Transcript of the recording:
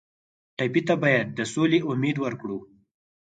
ټپي ته باید د سولې امید ورکړو.